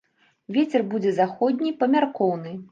Вецер будзе заходні, памяркоўны.